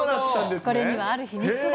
これにはある秘密が。